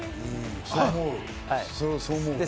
そう思う。